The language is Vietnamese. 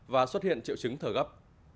và xuất hiện triệu chứng thở gấp